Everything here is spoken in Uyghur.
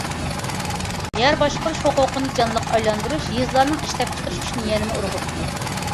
يەر باشقۇرۇش ھوقۇقىنى جانلىق ئايلاندۇرۇش، يېزىلارنىڭ ئىشلەپچىقىرىش كۈچىنى يەنىمۇ ئۇرغۇتتى.